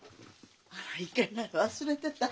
あらいけない忘れてた。